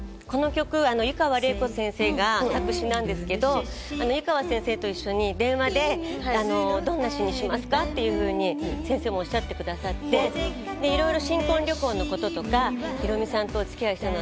湯川れい子先生が作詞なんですけど、湯川先生と一緒に電話でどんな詞にしますかっていうふうに先生もおっしゃってくださって、新婚旅行のこととかいろいろ、ヒロミさんとお付き合いしてる頃は